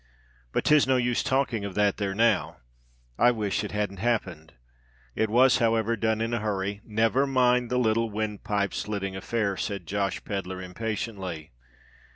But 'tis no use talking of that there now. I wish it hadn't happened. It was however done in a hurry——" "Never mind the little windpipe slitting affair," said Josh Pedler impatiently.